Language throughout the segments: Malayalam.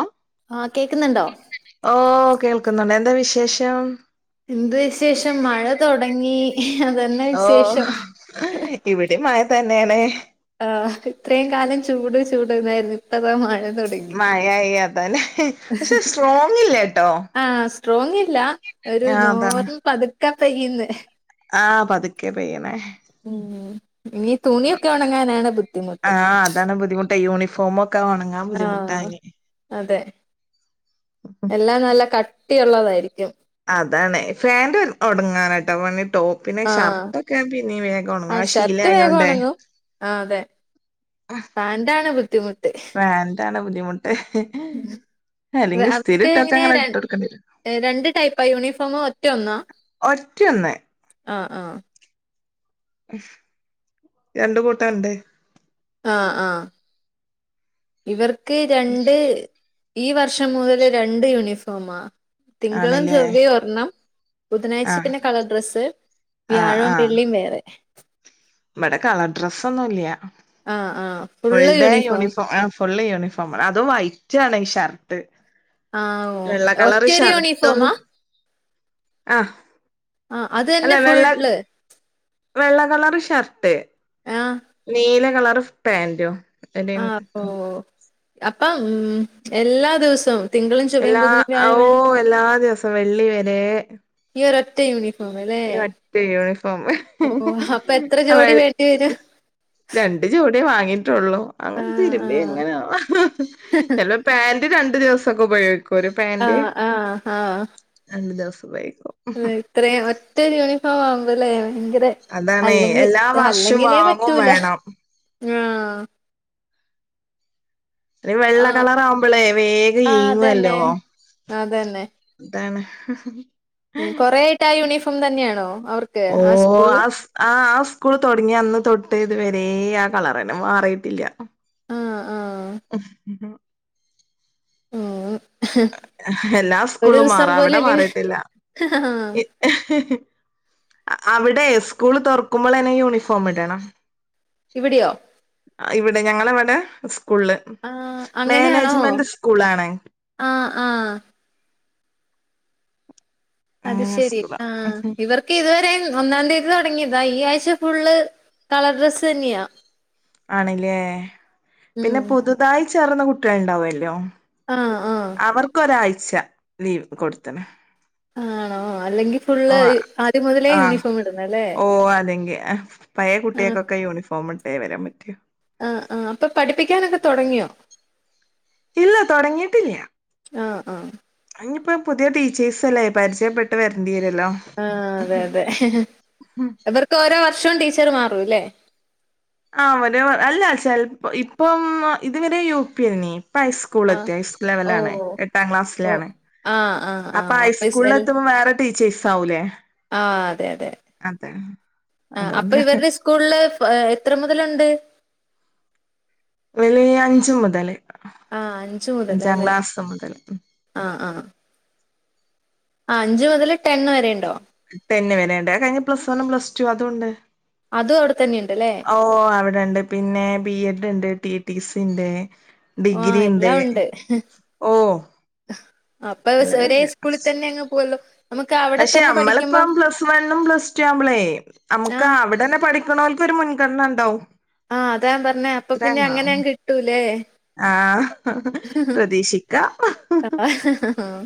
അം ആഹ് കേക്ക്‌ന്ന്ണ്ടോ ഓ കേൾക്കുന്നുണ്ട് എന്താ വിശേഷം എന്ത് വിശേഷം മഴ തൊടങ്ങി ഓഹ് ഇവിടിം മയ തന്നെ ആണ് ആഹ് ഇത്രം കാലം ചൂട് ചൂട്ന്നായിരുന്നു ഇപ്പ ദാ മഴ തൊട മയായി അതന്നെ പക്ഷെ സ്ട്രോങ് ഇല്ലട്ടോ ആഹ് സ്ട്രോങ് ഇല്ല ഒരു ആഹ് അതാണ് നോർ പതുക്കെ പെയ്യുന്ന് ആഹ് പതുക്കെ പെയ്യണേ ഉം ഇനി തുണിക്കെ ഉണങ്ങാനാണ് ബുദ്ധിമുട്ട് ആഹ് അതാണ് ബുദ്ധിമു ട്ട് യൂണിഫോമൊക്കെ ഒണ ആഹ് അതെ. എല്ലാം നല്ല കട്ടിയുള്ളതായിരിക്കും അതാണ് ഫാന്റ്ഒണങ്ങാനാട്ട് പിന്നെ ടോ പിന്നെ ആ ഷർട്ടൊക്കെ പിന്നിം വേഗം ആ ഒണങ്ങും അഹ് ഷർട്ട് ശീലായോണ്ടേ പാൻ്റാണ് ബുദ്ധിമുട്ട് പാൻ്റാണ് ബുദ്ധിമുട്ട് ഉം അല്ലെങ്കി സ്ഥിരം അവർക്ക് ഇട്ടൊക്കെ എങ്ങനെയ അങ്ങനെ ഇട്ട് കൊടുക്കേണ്ടി വരും രണ്ട് ടൈപ്പാ യൂണിഫോമ് ഒറ്റ ഒന്നാ ഒറ്റൊന്ന് ആഹ് ആഹ് ഉം രണ്ട് കൂട്ടണ്ട് ആഹ് ആഹ് ഇവർക്ക് രണ്ട് ഈ വർഷം മുതല് രണ്ട് യൂണിഫോമാ തിങ്കളും ആണല്ലേ ചൊവ്വേ ഒരെണ്ണം ബുധനാഴ്ച ആഹ് പിന്നെ കളർ ഡ്രസ്സ് വ്യാഴോം വെള്ളിം വേറെ ഇവടെ കളർ ഡ്രസ്സൊന്നും ഇല്ല ആഹ് ആഹ് full full day uniform half full യൂണിഫോമാണ് അതും വൈറ്റ് ആണ് ഈ ഷർട്ട് ആഹ് ഓ വെള്ള കളറ് ഒറ്റൊരു ഷർട്ടും യൂണിഫോമാ ആഹ് ആഹ് അത് അല്ല തന്നെ വെള്ള ഫുള്ള് വെള്ള കളറ് ഷർട്ട് ആഹ് നീല കളർ പാൻ്റും എൻ്റിം ആഹ് ഓ ഉം അപ്പം ഉം എല്ലാ ദിവസോം എല്ലാ ഓ എല്ലാ ദിവസോം വെള്ളി വരെ ഈയൊരൊറ്റ യൂണി ഈ ഒറ്റ യൂണിഫോമ് ഓ അപ്പൊ എത്ര അവെൾ ജോഡി വേണ്ടി വരും രണ്ട് ജോടിയേ വാങ്ങിട്ടുള്ളു അങ്ങനെ ആഹ് തിരുമ്പി ആഹ് എങ്ങനോ എല്ലം പാന്റ് രണ്ടു ദിവസൊക്കെ ഉപയോഗിക്കും ഒരു പാന്റ് ആഹ് ആഹ് ആഹ് രണ്ട് ദിവസം ഉപയോഗിക്കും ഇത്രയും ഒറ്റരു യൂണിഫോം ആവുമ്പോല്ലേ ഭയങ്കര അതാണേ അല്ലെങ്കി എല്ലാ വർഷവും അല്ലെങ്കിലേ വാങ്ങും പറ്റൂല വേണം ആഹ് ഇത്രം വെള്ള ആഹ് കളറാവുമ്പോളേ വേഗം ആഹ് ഈങ്ങല്ലോ അതന്നെ അതന്നെ അതാണ് കൊറെ ആയിട്ട് ആ യൂണിഫോം തന്നെയാണോ അവർക്ക് ആ സ്കൂളില് ആഹ് ആ സ്കൂൾ തൊടങ്ങി അന്ന് തൊട്ട് ഇതുവരെ ആഹ് കളറെന്നെ മാറിട്ടില്ല ആഹ് ആഹ് ഉം എല്ലാ ഒരു സ്കൂളും ദിവസം മാറും അവിടെ പോലും ലീവ് മാറിട്ടില്ല ആഹ് അവിടെ സ്കൂള് തൊറക്കുമ്പോളന്നെ യൂണിഫോം ഇടണോ ഇവിട്യോ ഇവിടെ ഞങ്ങളവിടെ സ്കൂള് ആഹ് അങ്ങനെയാണോ മാനേജ്മെന്റ് സ്കൂള് ആണ് ആഹ് ആഹ് അത് അങ്ങനെ ശരി സ്കൂളാ ആഹ് ഇവർ ഇതുവരെം ഒന്നാം തീയതി തൊടങ്ങിയതാ ഈ ആഴ്ച്ച ഫുള്ള് കളർ ഡ്രസ്സ് തന്നെയാ ആണല്ലേ ഉം പിന്നെ പുതുതായി ചേർന്ന കുട്ടികൾ ഇണ്ടാവല്ലോ ആഹ് ആഹ് അവർക്ക് ഒരാഴ്ച ലീവ് കൊടുത്ത്ണ് ആണോ അല്ലെങ്കിൽ ഓ ഫുള്ള് ആദ്യം മുതലേ ആഹ് യൂണിഫോം ഇടും ഓ അല്ലെങ്കിൽ പഴയ ആ കുട്ടികൾക്കൊക്കെ യൂണിഫോം ഇട്ടേ വരാൻ പറ്റു ആഹ് ആഹ് അപ്പൊ പഠിപ്പിക്കാനൊക്കെ തുടങ്ങിയോ ഇല്ല തുടങ്ങിയിട്ടില്ല ആഹ ആഹ അയിനിപ്പോം പുതിയ ടീച്ചേഴ്സ് അല്ലേ പരിചയപ്പെട്ട് വരണ്ടി വെരല്ലോ ആഹ് അതെ അതെ ഇവർക്ക് ഓരോ വർഷവും ടീച്ചർ മാറുംല്ലേ ആ് ഒരു അല്ല ചിലപ്പോ ഇപ്പം ഇത് വരെ യു പി അയ്നി ഇപ്പഐസ് സ്കൂൾ ആ എത്തി ഹൈ സ്കൂൾ ഓ ലെവലാണ് എട്ടാം ഓ ക്ലാസിലാണ് ആ ആ ആ അപ്പൊ ഹൈസ്കൂളിൽ എത്തുമ്പോ വേറെ ടീച്ചേഴ്സ് ആവൂലേ ആഹ് അതെ അതെ അതെ ആ അതോണ്ട അപ്പൊ ഇവരുടെ സ്കൂളില് എത്ര മുതലുണ്ട് ഇവല് അഞ്ച മുതല് ആ അഞ്ചാം ക്ലാസ് മുതൽ ആഹ ആഹ അഞ്ച് മുതൽ ടെൻ വരെ ഉണ്ടോ ടെന് വരേണ്ട് അത്‌ കഴിഞ്ഞാ പ്ലസ് വൺും പ്ലസ് ടു അതുണ്ട് അതും അവിടെ തന്നെ ഇണ്ട്ല്ലേ ഓഹ് അവിടെണ്ട് പിന്നെ ബി എഡ് ഇണ്ട് ടി ടി സി ഇണ്ട് ആ ഡിഗ്രി ഇണ്ട് എല്ലാം ഉണ്ട് ഓഹ് അപ്പൊ ഒരേ സ്കൂളിൽ തന്നെ അങ്ങ് പോവല്ലോ നമുക്ക് അവിടെ പക്ഷെ തന്നെ പഠിക്കുമ്പം അമ്മളിപ്പം പ്ലസ് വണ്ണും പ്ലസ് ടു ആവുമ്പോളേ ആ നമ്മുക്ക് അവിടെന്നെ പഠ പഠിക്കണോല്ക്ക് ഒരു മുൻഗണന ഉണ്ടാവും ആഹ് അതാ പറഞ്ഞേ അപ്പൊ പിന്നെ അങ്ങനെ അങ്ങ് കിട്ടൂലേ ആഹ പ്രതീക്ഷിക്കാ ആഹ്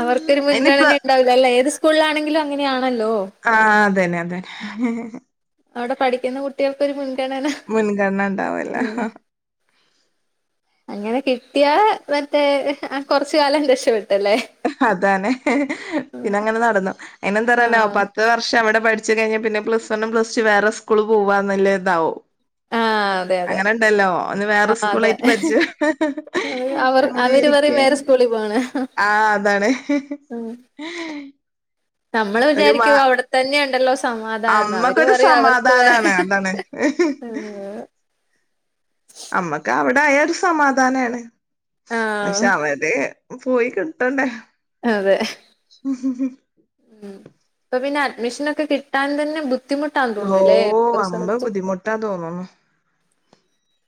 അവർക്കൊരു അയിനിപ്പ മുൻഗണന ഉണ്ടാവൂലല്ലേ ഏത് സ്കൂളിലാണെങ്കിലും അങ്ങനെയാണല്ലോ ആഹ് അതന്നെ അതന്നെ അവിടെ പഠിക്കുന്ന കുട്ടികൾക്കൊരു മുൻഗണന മുൻഗണന ഉണ്ടാവല്ലോ ആഹ് അങ്ങനെ കെ കിട്ടിയാ മറ്റേ കുറച്ച് കാലം രക്ഷപ്പെട്ടല്ലേ അതന്നെ പിന്നെ അങ്ങനെ നടന്നു അയിനെന്ത് പറയാനാ പ ആഹ് പത്ത് വർഷം അവിടെ പഠിച്ചു കഴിഞ്ഞാ പിന്നെ പ്ലസ് വണും പ്ലസ് ടു വേറെ സ്കൂള് പോവാ എന്ന്ല്ല ഇതാവും ഉം ആഹ് അതെ അതെ അങ്ങനെ ഇണ്ടല്ലോ ഒന്ന് വേറെ ആഹ് അതെ സ്കൂളായിട്ട് പടിച്ച് അത് അവർ അവര് പറയും അങ്ങനെയിരിക്കെ വേറെ സ്കൂളിൽ പോണ് ആഹ് അതാണ് നമ്മൾ ഒരു മാ വിചാരിക്കും അവിടെത്തന്നെ ഇണ്ടല്ലോ സമാധാനംന്ന് അവര് അമ്മക്കൊരു പറയും അവർക്ക് വേറെ സമാധാനാണ് [inaudible] അമ്മക്ക് അവിടെ ആയ ഒരു സമാധാനാണ് ആഹ് പക്ഷെ അവര് പോയി കിട്ടണ്ടേ അതെ ഉം ഇപ്പൊ പിന്നെ അഡ്മിഷനൊക്കെ കിട്ടാൻ തന്നെ ബുദ്ധിമുട്ടാന്ന് തോന്നുന്നല്ലേ ഓരോ വമ്പം സ്ഥലത്തും ബുദ്ധിമുട്ടാ തോന്നുന്നു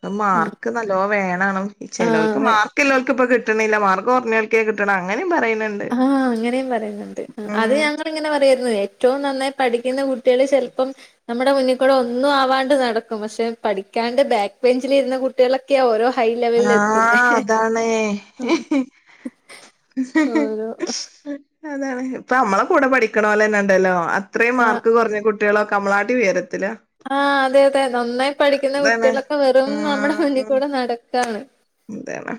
ആ മാർ ഉം നല്ലോ വേണേനും ആഹ് ചെലോൽക്ക് അതെ മാർക്ക് ഇള്ളോൽക്ക് ഇപ്പ കിട്ടണില്ല മാർക്ക് കുറഞ്ഞോൽക്ക് കിട്ടണെ അങ്ങനെയും പറയ്ണണ്ട് ആഹ അങ്ങനെയും പറയുന്നുണ്ട് അത് ഞങ്ങൾ ഇങ്ങനെ പറയാരുന്നു ഏറ്റവും നന്നായിട്ട് പഠിക്കുന്ന കുട്ട്യാള് ചെലപ്പം നമ്മുടെ മുന്നിൽ കൂടെ ഒന്നും ആവാണ്ട് നടക്കും പക്ഷെ പഠിക്കാണ്ട് ബാക്ക് ബെഞ്ചിലിരുന്ന കുട്ട കുട്ട്യാളൊക്കെയാ ഓരോ ഹൈ ലെവലിൽ എത്തുന്ന ആഹ് അതാണ്. അതാണ് പ്പമ്മളെ കൂടെ പഠിക്കണോലെന്നെണ്ടല്ലോ അത്രേം ആഹ് മാർക്ക് കൊറഞ്ഞ കുട്ടികളൊക്കെ അമ്മളാട്ടി ഉയരത്തില് ആഹ് അതെ അതെ നന്നായി പഠിയ്ക്കുന്ന കുട്ടികളൊക്കെ വെറും നമ്മുടെ മുന്നിക്കൂടെ നടക്കാണ് ന്താണ്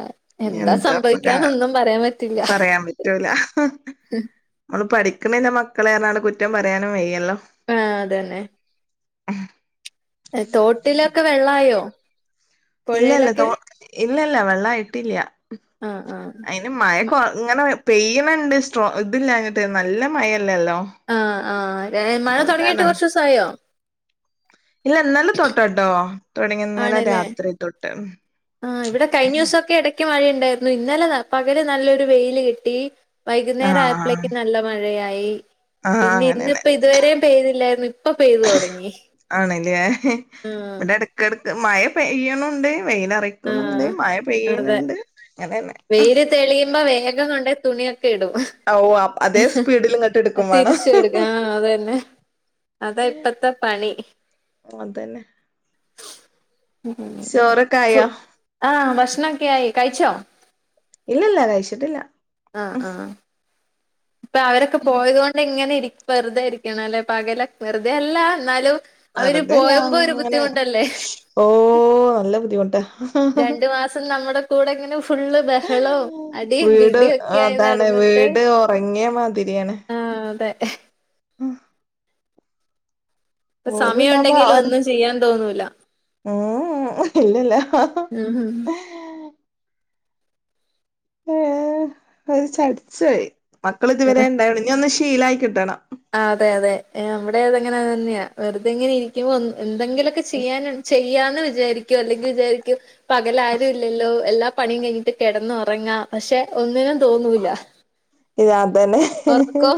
ആഹ് എന്താ എന്താപ്പ കാ സംഭവിക്കാനൊന്നും പറയാൻ പറ്റില്ല പറയാൻ പറ്റൂല മ്മള് പഠിക്ക്ണില്ല മക്കളെ പറഞ്ഞാണ്ട് കുറ്റം പറയാനും വയ്യല്ലോ ആഹ് അതെന്നെ ഏഹ് തോട്ടിലൊക്കെ വെള്ളായോ ഇല്ലല്ല തോ പുഴയിലൊക്കെ ഇല്ലല്ല വെള്ളായിട്ടില്ല്യ ആഹ് ആഹ് അയിന് മഴ കൊ ഇങ്ങനെ പെയ്യണണ്ട് സ്ട്രോ ഇതില്ലഞ്ഞിട്ട് നല്ല മഴല്ലല്ലോ ആഹ് ആഹ് ര മഴ തൊടങ്ങിയിട്ട് അതോണ്ടാണ് കൊറച്ച് ദിവസായോ ഇല്ല ഇന്നലെ തൊട്ടാട്ടോ തൊടങ്ങിയെ ഇന്നലെ ആണല്ലേ രാത്രി തൊട്ട് ഉം യ്ക്ക് മഴയുണ്ടായിരുന്നു ഇന്നലെ പകല് നല്ലൊരു വെയില് കിട്ടി ആഹ് വൈകുന്നേരായപ്പളേയ്ക്ക് നല്ല മഴയായി ആഹ് പിന്നെ അങ്ങനെന്നെ ഇന്നിപ്പ ഇതുവരെയും പെയ്തില്ലായിരുന്നു ഇപ്പൊ പെയ്തു തുടങ്ങി ഏഹ് ആഹ് ഇവിടെടക്കെടക്ക് മഴ പെയ്യണുണ്ട് വെയിലറ ക്ക്ണുണ്ട് ആഹ് മഴ അതെ പെയ്യണണ്ട് അങ്ങനെന്നെ വെയില് തെളിയുമ്പോ വേഗം കൊണ്ടോയി തുണിയൊക്കെ ഇടും ഔ അ അതേ സ്പീഡില് ഇങ്ങട്ട് ഇട്ക്കും വാണം തിരിച്ചു കൊടുക്ക ആഹ് അതന്നെ അതാ ഇപ്പത്തെ പണി ഓതന്നെ ഉം ചോറൊക്കെ ഫു ആയോ ആഹ് ഭക്ഷണൊക്കെയായി കഴിച്ചോ ഇല്ലല്ല കഴിച്ചിട്ടില്ല ആഹ് ആഹ് ഇപ്പ അവരൊക്കെ പോയതോണ്ട് ഇങ്ങനെ ഇരി വെറുതെ ഇരിക്കണം ല്ലെ പകല് വെറുതെ അല്ല എന്നാലും അവര് വെറുതെല്ല പോവുമ്പോ ഒരു അങ്ങനെ ബുദ്ധിമുട്ടല്ലേ ഓ നല്ല ബുദ്ധിമുട്ടാ രണ്ടു മാസം നമ്മ്ടെ കൂടെങ്ങനെ ഫുള്ള് ബഹളോം അടീം പിടീം ഒക്കെ ആയി നടന്നിട്ട് കൊയങ്ങിയ മാതിരിയാണ് ആഹ് അതെ ഉം ഇപ്പ ഉണ്ടാവുമ്പോ സമയൊണ്ടെങ്കിലും അവ ഒന്നും ചെയ്യാൻ തോന്നൂല്ല ഉം ഉം ഇല്ലില്ല ഉം ഹും ഏഹ് ഒരു ചടിച്ചായി മക്കളിതുവരെ ണ്ടായൊണ്ടേ ഇനി ഒന്ന് ശീലായി കിട്ടണം ആഹ് അതെ അതെ ഏഹ് ഇവിടെ അതെങ്ങനെ തന്നെയാ വെറുതെങ്ങനെ ഇരിയ്ക്കുമ്പോ ഒന് എന്തെങ്കിലൊക്കെ ചെയ്യാൻ ചെയ്യാന്ന് വിചാരിയ്ക്കും അല്ലെങ്കി വിചാരിയ്ക്കും പകലാരുല്ലല്ലോ എല്ലാ പണിയും കഴിഞ്ഞിട്ട് കിടന്ന് ഒറങ്ങാം പക്ഷെ ഒന്നിനും തോന്നൂല്ല ഇതാതന്നെ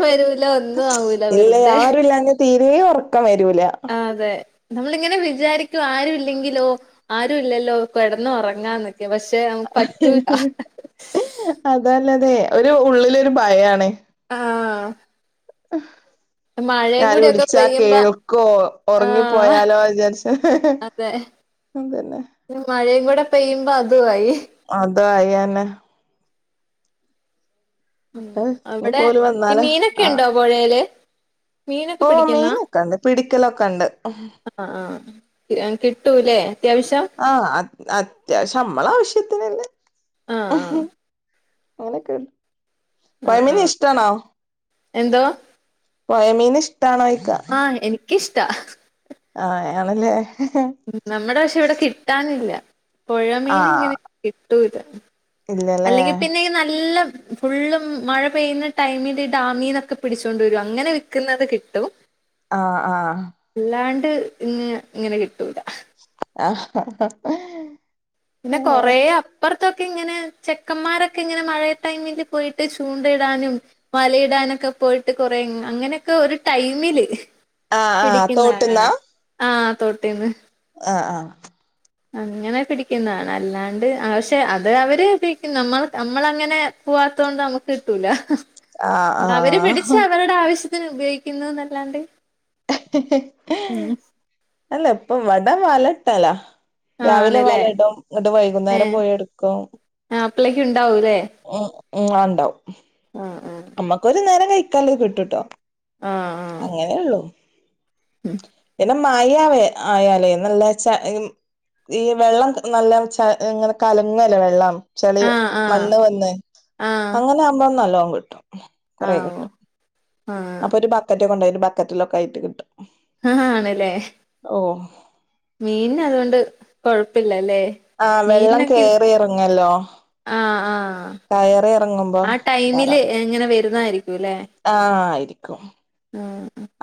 വരൂല ഒന്നും ആവൂല ഇല്ല വെറുതെ യാരുല്ലാഞ തീരേ ഒറക്കം വരൂല ആ അതെ നമ്മളിങ്ങനെ വിചാരിക്കും ആരും ഇല്ലെങ്കിലോ ആരും ഇല്ലല്ലോ കെടന്ന് ഒറങ്ങാന്നൊക്കെ പക്ഷെ നമുക്ക് പറ്റൂല അതല്ലതെ ഒരു ഉള്ളിലൊരു ഭയാണ് ആഹ് [inaudible] മഴയും അവര് കൂടിയൊക്കെ വിളിച്ചാ പെയ്യുമ്പ കേൾക്കോ ആഹ് ഒറങ്ങിപ്പോയാലോ വിചാരിച്ചാ അതെ അതന്നെ മഴയും കൂടെ പെയ്യുമ്പോ അതും ആയി അതായാന്ന് ഉം അവിടെ ഇനിപ്പോ ഓല് ഈ വന്നാല മീനൊക്കെ ഇണ്ടോ പൊഴേല് ഓഹ് മീനൊക്കെ ഇണ്ട് പിടിക്കലൊക്കെ ഇണ്ട് ആഹ് ആഹ് [unintelligible] കിട്ടൂല്ലേ അത്യാവശ്യം ആഹ് അത് അത്യാവശ്യം നമ്മളെ ആവശ്യത്തിന്ള്ളേ ആഹ് അങ്ങനെയൊക്കെ ആഹ് പൊയ ആഹ് മീൻ ആഹ് ഇഷ്ട്ടാണോ എന്തോ പൊയ മീൻ ഇഷ്ട്ടാണോയ്ക്കാ ആഹ് എനിക്കിഷ്ട്ടാ ആഹ് ആണല്ലേ ഉം നമ്മടെ പക്ഷെ ഇവിടെ കിട്ടാനില്ലാ പൊഴമീൻ ആഹ് ഇങ്ങനെ കിട്ടൂലാ ഇല്ലല്ലേ അല്ലെങ്കി പിന്നെ ഈ നല്ലം ഫുള്ളും മഴ പെയ്യുന്ന ടൈമില് ഈ ഡാമീന്നൊക്കെ പിടിച്ചോണ്ട് വരും അങ്ങനെ വിക്കുന്നത് കിട്ടും ആഹ് ആഹ് അല്ലാണ്ട് ഇങ്ങ് ഇങ്ങനെ കിട്ടൂലാ ആഹ് ഹ ഹ ഹ പിന്നെ കൊറെ അപ് അപ്പർത്തൊക്കെ ഇങ്ങനെ ചെക്കന്മാരൊക്കെ ഇങ്ങനെ മഴയ് ടൈമില് പോയിട്ട് ചൂണ്ട ഇടാനും വലയിടാനൊക്കെ പോയിട്ട് കൊറെ ഇങ് അങ്ങനെയൊക്കെ ഒരു ടൈമില് ആഹ് ആഹ് പിടിക്കുന്ന തോട്ട്ന്നാ കാണാ ആഹ് തോട്ടീന്ന് ആഹ് ആഹ് അങ്ങനെ പിടിക്കുന്നതാണ് അല്ലാണ്ട് ആഹ് പക്ഷെ അത് അവര് ഉപയോഗിക്കും നമ്മൾ നമ്മളങ്ങനെ പൂവാത്തോണ്ട് നമുക്ക് കിട്ടൂലാ ആഹ് അവര് പിടിച്ച് ആഹ് അവരുടെ ആവശ്യ ത്തിന് ഉപയോഗിക്കുന്നുന്നല്ലാണ്ട് അല്ലാ ഇപ്പൊ ഇവടെ വലട്ടെലാ രാവിലെ വല ആണ്ല്ലേ ഇടും എന്നിട്ട് വൈകുന്നേരം ഏഹ് പോയി എടുക്കും ആഹ് ആപ്പളേക്കും ഇണ്ടാവൂല്ലേ? ഉം ഉം ആഹ് ഇണ്ടാവും ആഹ് നമ്മക്കൊരു നേരം കഴിക്കാല്ലത് കിട്ടൂട്ടോ ആഹ് അങ്ങനെള്ളു ഉം മയാ വേ ആയാലേ നല്ല ച [unintelligible] ഈ വെള്ളം നല്ല ചാ ഇങ്ങനെ കലങ്ങല്ലോ വെള്ളം ചളി ആഹ് ആഹ് മണ്ണ് വന്ന് ആഹ് അങ്ങനെ ആകുമ്പോ നല്ലോം കിട്ടും കൊറെ ആഹ് ഓഹ് കിട്ടും ആഹ് അപ്പൊ ഒരു ബക്കറ്റ് കൊണ്ടോയിറ്റ് ബക്കറ്റിലൊക്കെ ആയിട്ട് കിട്ടും ആഹ് ആണ്ല്ലേ ഓഹ് മീൻന് അതുകൊണ്ട് കൊഴപ്പയില്ലാല്ലേ ആഹ് വെള്ളം കേറിയെറങ്ങല്ലോ ആഹ് ആഹ് ആ ടൈമില് എങ്ങനെ വെരുന്നായിരിക്കുല്ലെ ആഹ് ആയിരിക്കും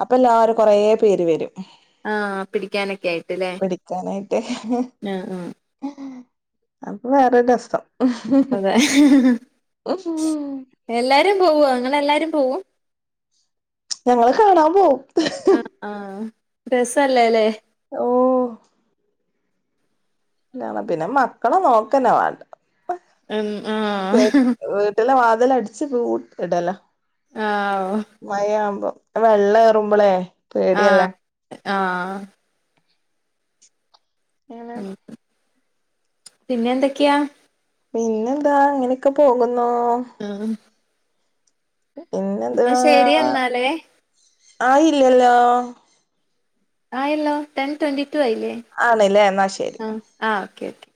അപ്പ എല്ലാവരും കൊറെ പേര് വെരും ആഹ് പിടിക്കാനൊക്കെ ആയിട്ട്ല്ലേ പിടിക്കാനായിട്ട് ആഹ് അപ്പൊ വേറൊര് രസം ആഹ് ഉഹ് ഹ് എല്ലാരും പോവൊ ഇങ്ങള് എല്ലാരും പോവും? ഞങ്ങള് കാണാൻ പോവും. ആഹ് രസല്ലേ ല്ലേ. ഓഹ്. ല്ല്യാണ്. പിന്നെ മക്കളെ നോക്കന്നെ വേണ്ട. എൻ ആഹ് ട്ടിലെ വാതില് അട്ച്ച് പൂട്ട് ഇടലാ. ആഹ്ഓഹ് മഴാവുമ്പം വെള്ളം ഏറുമ്പളേ. പേടിയല്ലേ ആഹ് ആഹ്. ഏങ്ങനെ പിന്നെന്തെക്കെയാ? പിന്നെന്താ അങ്ങനെക്കെ പോകുന്നു. ആഹ്. പിന്ന് ഇന്നാ ശെരി എന്നാലേ. ആയില്ല്യല്ലോ. ആയല്ലോ ടെൻ ട്വന്റി ടു ആയില്ലേ. ആണ്ല്ലേ എന്നാ ശരി. ആഹ് ആഹ് ഓക്കെ ഓക്കെ.